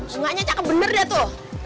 sungannya cakep benar deh tuh